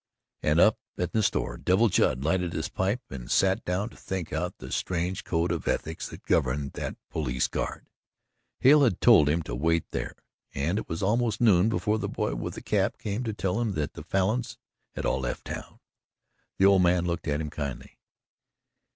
And up in the store Devil Judd lighted his pipe and sat down to think out the strange code of ethics that governed that police guard. Hale had told him to wait there, and it was almost noon before the boy with the cap came to tell him that the Falins had all left town. The old man looked at him kindly.